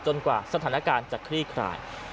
กว่าสถานการณ์จะคลี่คลาย